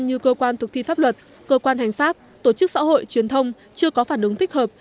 như cơ quan thực thi pháp luật cơ quan hành pháp tổ chức xã hội truyền thông chưa có phản ứng thích hợp